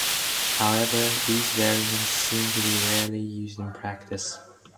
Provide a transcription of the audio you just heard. However, these variants seem to be rarely used in practice.